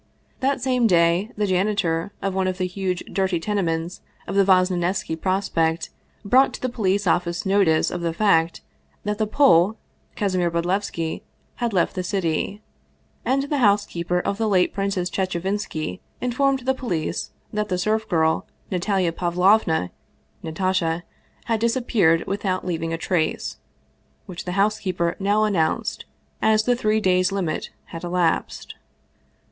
That same day the janitor of one of the huge, dirty tenements in Vosnesenski Prospekt brought to the police office notice of the fact that the Pole, Kasimir Bodlevski, had left the city ; and the housekeeper of the late Prin cess Chechevinski informed the police that the serf girl Natalia Pavlovna (Natasha) had disappeared without leav ing a trace, which the housekeeper now announced, as the three days' limit had elapsed.